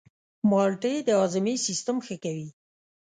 مالټې د هاضمې سیستم ښه کوي.